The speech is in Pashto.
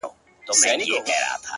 زما اشنا خبري پټي ساتي ـ